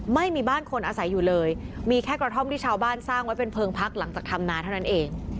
ไม่มีบ้านคนอาศัยอยู่เลยมีแค่กระท่อมที่ชาวบ้านสร้างไว้เป็นเพลิงพักหลังจากทำนาเท่านั้นเอง